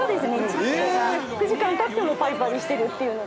６時間経ってもパリパリしてるっていうのが。